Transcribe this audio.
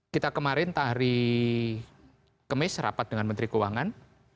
kita kemarin tahri kemis rapat dengan menteri keuangan